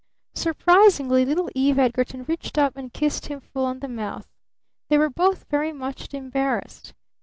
Surprisingly little Eve Edgarton reached up and kissed him full on the mouth. They were both very much embarrassed.